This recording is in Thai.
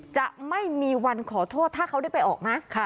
จะไม่มีวันขอโทษถ้าเขาได้ไปออกนะ